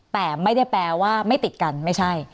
แต่ไม่ได้แปลว่าไม่ติดกันไม่ใช่